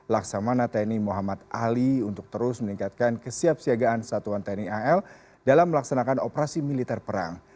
laksamana tni muhammad ali untuk terus meningkatkan kesiapsiagaan satuan tni al dalam melaksanakan operasi militer perang